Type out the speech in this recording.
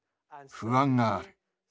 不安がある。